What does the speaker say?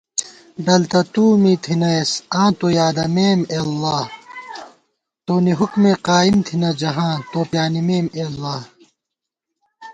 ڈل تہ تُو می تھنَئیس آں تو یادَمېم اے اللہ * تونی حُکُمےقائیم تھنہ جہان، تو پیانِمېم اےاللہ